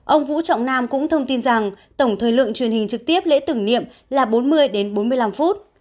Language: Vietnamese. ông vũ trọng nam cũng thông tin rằng tổng thời lượng truyền hình trực tiếp lễ tử nghiệm là bốn mươi bốn mươi năm phút